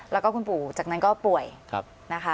แล้วก็คุณปู่จากนั้นก็ป่วยนะคะ